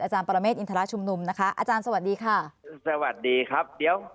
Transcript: ปรเมฆอินทราชุมนุมนะคะอาจารย์สวัสดีค่ะสวัสดีครับเดี๋ยว